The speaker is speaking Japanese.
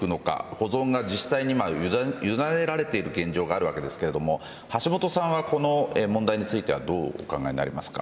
保存が自治体にゆだねられている現状があるわけですけど橋下さんはこの問題についてはどうお考えになりますか。